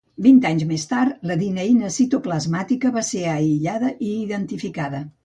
Vint anys més tard la dineïna citoplasmàtica va ser aïllada i identificada.